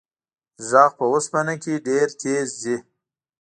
غږ په اوسپنه کې ډېر تېز ځي.